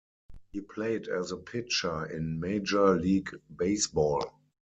He played as a pitcher in Major League Baseball.